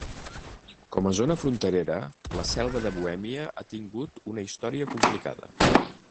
Com a zona fronterera, la Selva de Bohèmia ha tingut una història complicada.